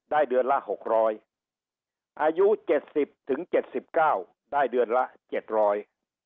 เดือนละหกร้อยอายุเจ็ดสิบถึงเจ็ดสิบเก้าได้เดือนละเจ็ดร้อย